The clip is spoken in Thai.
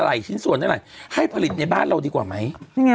อล่ายชิ้นส่วนอะไรให้ผลิตในบ้านเราดีกว่าไหม